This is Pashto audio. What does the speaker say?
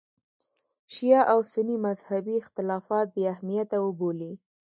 شیعه او سني مذهبي اختلافات بې اهمیته وبولي.